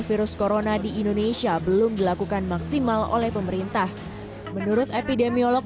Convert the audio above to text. virus corona di indonesia belum dilakukan maksimal oleh pemerintah menurut epidemiolog